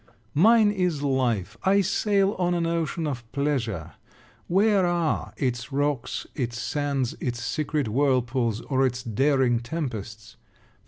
Mine is life. I sail on an ocean of pleasure. Where are its rocks, its sands, its secret whirlpools, or its daring tempests?